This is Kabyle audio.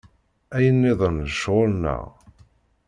Ayen nniḍen d ccɣel-nneɣ.